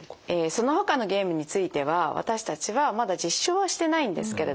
そのほかのゲームについては私たちはまだ実証はしてないんですけれども